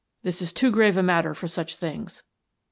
This is too grave a matter for such things."